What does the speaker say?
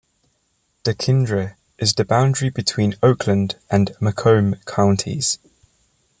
Dequindre is the boundary between Oakland and Macomb counties.